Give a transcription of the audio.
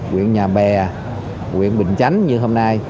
quyện nhà bè quyện bình chánh như hôm nay